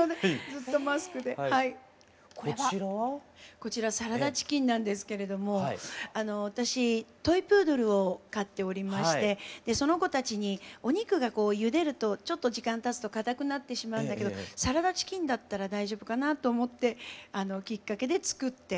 こちらサラダチキンなんですけれども私トイプードルを飼っておりましてその子たちにお肉がゆでるとちょっと時間たつとかたくなってしまうんだけどサラダチキンだったら大丈夫かなと思ってきっかけで作って。